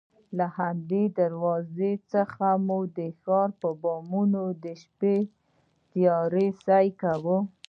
له همدې دروازې څخه مو د ښار پر بامونو د شپې تیاره سیل کاوه.